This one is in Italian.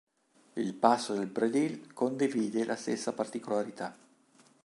Il Passo del Predil condivide la stessa particolarità.